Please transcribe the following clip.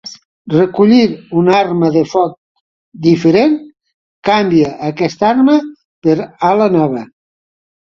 Recollir una arma de foc diferent canvia aquesta arma per a la nova.